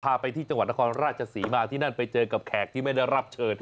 พาไปที่จังหวัดนครราชศรีมาที่นั่นไปเจอกับแขกที่ไม่ได้รับเชิญ